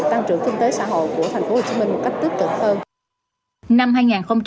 tăng trưởng kinh tế xã hội của thành phố hồ chí minh một cách tích cực hơn